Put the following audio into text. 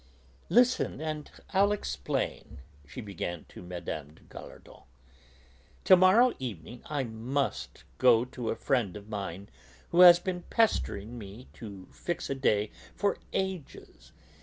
"Listen, and I'll explain," she began to Mme. de Gallardon. "To morrow evening I must go to a friend of mine, who has been pestering me to fix a day for ages.